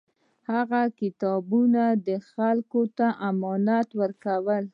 هغه کتابونه خلکو ته امانت ورکول.